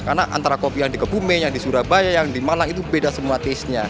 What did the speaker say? karena antara kopi yang di kebumen yang di surabaya yang di malang itu beda semua taste nya